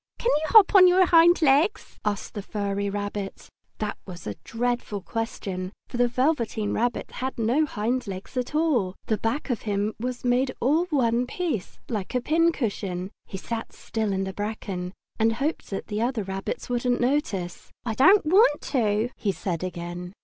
"Can you hop on your hind legs?" asked the furry rabbit. That was a dreadful question, for the Velveteen Rabbit had no hind legs at all! The back of him was made all in one piece, like a pincushion. He sat still in the bracken, and hoped that the other rabbits wouldn't notice. "I don't want to!" he said again.